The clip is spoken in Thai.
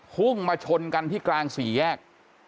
พุ่งมาชนกันที่กลางสี่แยก